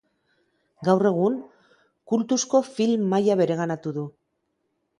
Gaur egun kultuzko film maila bereganatu du.